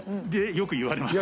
よく言われます。